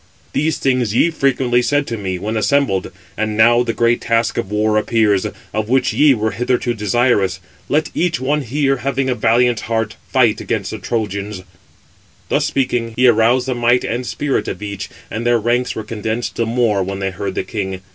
These things ye frequently said to me, when assembled; and now the great task of war appears, of which ye were hitherto desirous. Let each one here, having a valiant heart, fight against the Trojans." Footnote 514: (return) Mercury. Thus speaking, he aroused the might and spirit of each, and their ranks were condensed the more when they heard the king.